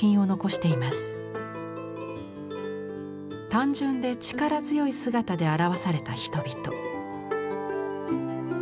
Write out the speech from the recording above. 単純で力強い姿で表された人々。